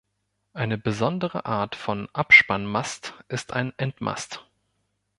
Eine besondere Art von Abspannmast ist ein Endmast.